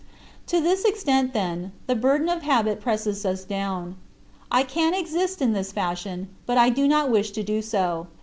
To this extent, then, the burden of habit presses us down. I can exist in this fashion but I do not wish to do so.